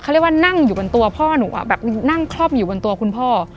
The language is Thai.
เขาเรียกว่านั่งอยู่บนตัวพ่อหนูแบบนั่งคล่อมอยู่บนตัวคุณพ่อ